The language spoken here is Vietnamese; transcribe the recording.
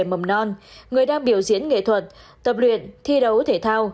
mầm non người đang biểu diễn nghệ thuật tập luyện thi đấu thể thao